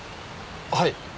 はい。